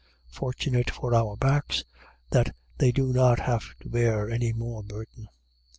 Fortunate for our backs that they do not have to bear any more burden!